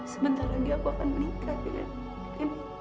sebentar lagi aku akan menikah dengan